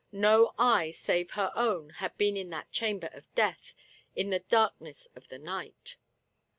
No eye save her own had been in that chamber of death in the darkness of the night.